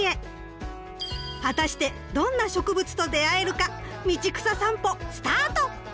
果たしてどんな植物と出会えるか「道草さんぽ」スタート！